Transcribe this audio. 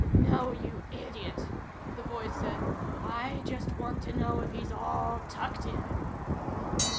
"No, you idiot," the voice said. "I just want to know if he's all tucked in."